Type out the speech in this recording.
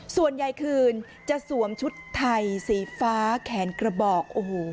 ส่วนยายคืนจะสวมชุดไทยสีฟ้าแขนกระบอกโอ้โห